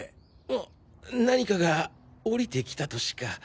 んっ何かが降りてきたとしか。